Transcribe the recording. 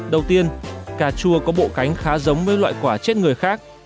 đầu tiên cà chua có bộ cánh khá giống với loại quả chết người khác